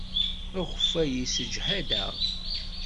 Akeffay yessejhad-aɣ.